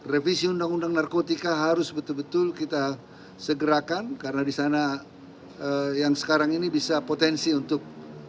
revisi undang undang narkotika harus betul betul kita segerakan karena di sana yang sekarang ini bisa potensi untuk